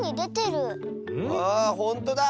あほんとだ！